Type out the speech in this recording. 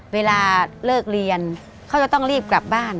เวลาเลิกเรียนเขาจะต้องรีบกลับบ้าน